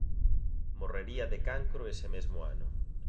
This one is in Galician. Morrería de cancro ese mesmo ano.